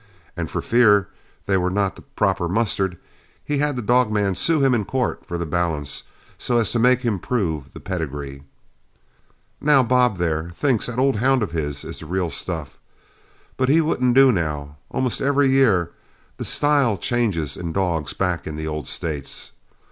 And for fear they were not the proper mustard, he had that dog man sue him in court for the balance, so as to make him prove the pedigree. Now Bob, there, thinks that old hound of his is the real stuff, but he wouldn't do now; almost every year the style changes in dogs back in the old States.